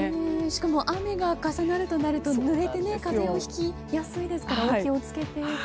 更に雨が重なるとぬれて風邪をひきやすいですからお気をつけて。